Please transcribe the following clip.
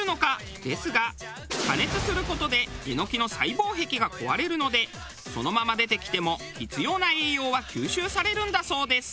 ですが加熱する事でエノキの細胞壁が壊れるのでそのまま出てきても必要な栄養は吸収されるんだそうです。